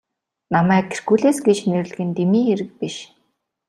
Намайг Геркулес гэж нэрлэдэг нь дэмий хэрэг биш.